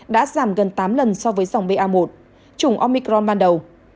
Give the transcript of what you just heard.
đã giảm gần tám lần so với dòng ba chủng omicron ban đầu